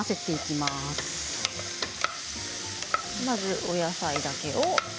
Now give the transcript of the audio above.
まず、お野菜だけを。